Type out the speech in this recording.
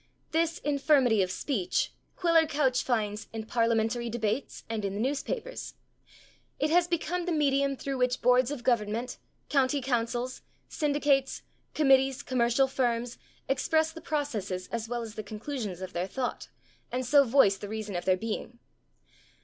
This "infirmity of speech" Quiller Couch finds "in parliamentary debates and in the newspapers"; [Pg025] ... "it has become the medium through which Boards of Government, County Councils, Syndicates, Committees, Commercial Firms, express the processes as well as the conclusions of their thought, and so voice the reason of their being."